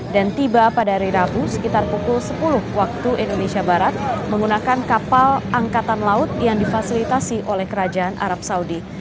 dan tiba pada hari rabu sekitar pukul sepuluh waktu indonesia barat menggunakan kapal angkatan laut yang difasilitasi oleh kerajaan arab saudi